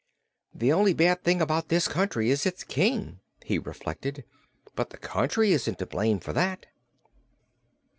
"The only bad thing about this country is its King," he reflected; "but the country isn't to blame for that."